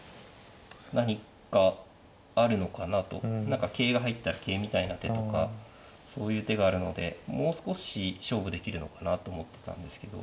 何か桂が入ったら桂みたいな手とかそういう手があるのでもう少し勝負できるのかなと思ってたんですけど。